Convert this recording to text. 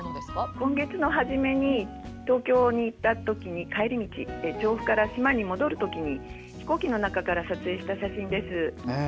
今月の初めに東京に行った時に帰り道、島に戻る時に飛行機の中から撮影した写真です。